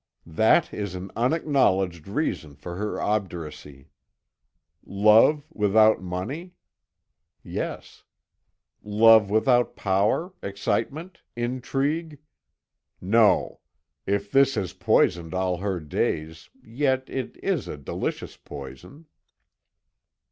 That is an unacknowledged reason for her obduracy. Love without money? Yes. Love without power, excitement, intrigue? No. If this has poisoned all her days, yet it is a delicious poison.